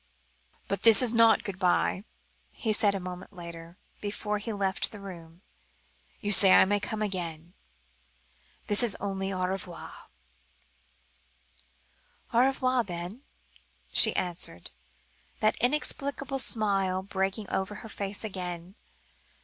"But this is not good bye," he said a moment later, before he left the room. "You say I may come again; this is only au revoir." "Au revoir, then," she answered, that inexplicable smile breaking over her face again.